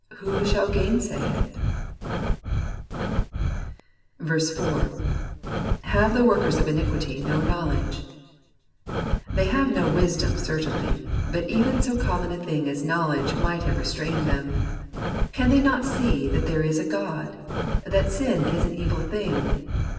Who shall gainsay it ? 4. "flaw the workers of iniquity no hnowledgeV^ They have no wisdom, certainly, but even so common a thing as knowledge might have restrained them. Can they not see that there is a God ? that sin is an evil thing